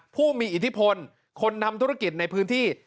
ผู้มีอิทธิพลคนนำธุรกิจในพื้นที่